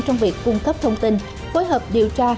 trong việc cung cấp thông tin phối hợp điều tra